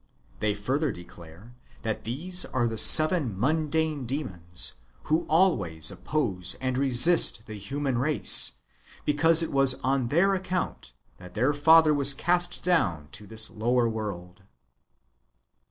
They further declare that these are the seven mundane demons, wdio always oppose and resist the human race, because it was on their account that their father was cast down to this lower world.